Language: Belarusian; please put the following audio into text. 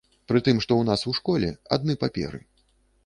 Прытым, што ў нас у школе адны паперы.